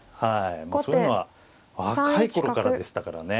そういうのは若い頃からでしたからね。